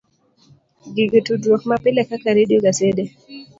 Gige tudruok mapile kaka redio, gasede,